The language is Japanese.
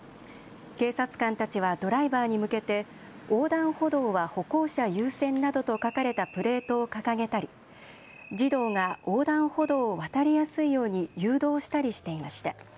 警察官たちはドライバーに向けて横断歩道は歩行者優先などと書かれたプレートを掲げたり児童が横断歩道を渡りやすいように誘導したりしていました。